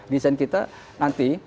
desain kita nanti